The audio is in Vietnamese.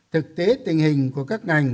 thực tế tình hình của các ngành